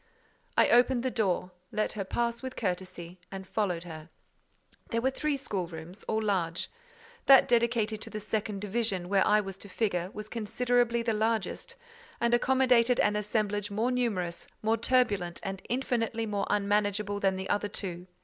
I opened the door, let her pass with courtesy, and followed her. There were three schoolrooms, all large. That dedicated to the second division, where I was to figure, was considerably the largest, and accommodated an assemblage more numerous, more turbulent, and infinitely more unmanageable than the other two.